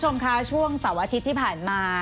สวัสดีครับช่วงสำอาทิตย์ที่ผ่านมา